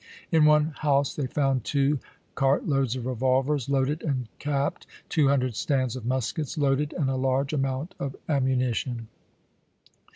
In one house they found two cartloads of revolvers, loaded and capped, two hundi*ed stands of muskets, loaded, and a large amount of ammunition.